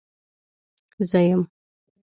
زه يم.